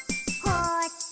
「こっち？」